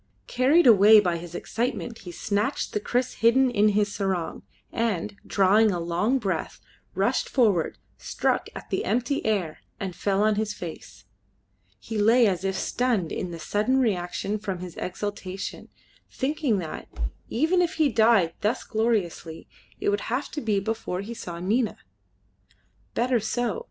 Carried away by his excitement, he snatched the kriss hidden in his sarong, and, drawing a long breath, rushed forward, struck at the empty air, and fell on his face. He lay as if stunned in the sudden reaction from his exaltation, thinking that, even if he died thus gloriously, it would have to be before he saw Nina. Better so.